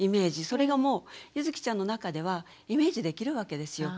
それがもうゆづきちゃんの中ではイメージできるわけですよ。